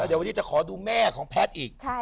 เดี๋ยววันนี้จะขอดูแม่ของแพทย์อีก